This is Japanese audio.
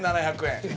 ３，７００円。